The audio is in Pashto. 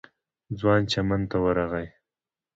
ځوان چمن ته ورغی.